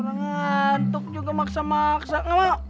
orang ngantuk juga maksa maksa nggak mau